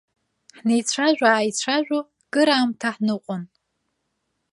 Ҳнеицәажәа-ааицәажәо кыраамҭа ҳныҟәон.